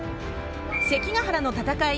関ケ原の戦い